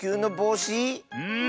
うん。